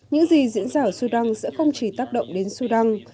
những gì diễn ra ở sudan sẽ không chỉ tác động đến sudan